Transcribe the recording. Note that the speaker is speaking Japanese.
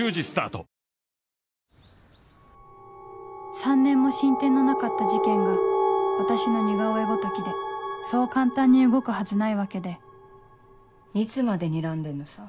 ３年も進展のなかった事件が私の似顔絵ごときでそう簡単に動くはずないわけでいつまでにらんでんのさ。